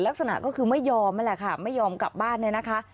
ลักษณะก็คือไม่ยอมนั่นแหละค่ะไม่ยอมกลับบ้านเนี่ยนะคะ